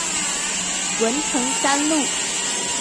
文橫三路